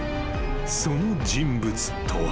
その人物とは］